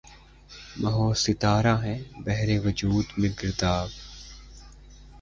مہ و ستارہ ہیں بحر وجود میں گرداب